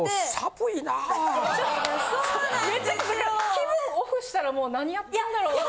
気分オフしたらもう何やってるんだろう？って。